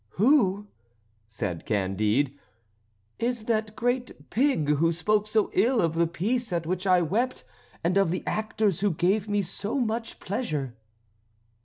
"Who," said Candide, "is that great pig who spoke so ill of the piece at which I wept, and of the actors who gave me so much pleasure?"